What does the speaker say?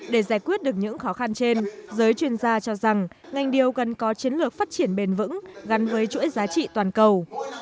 để giải quyết được những khó khăn trên giới chuyên gia cho rằng ngành điều cần có chiến lược phát triển bền vững gắn với chuỗi giá trị toàn cầu